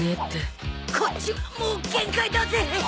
こっちはもう限界だぜ！